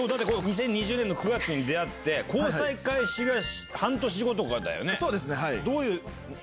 ２０２０年の９月に出会って交際開始が半年後とかだよね。